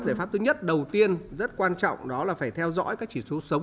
giải pháp thứ nhất đầu tiên rất quan trọng đó là phải theo dõi các chỉ số sống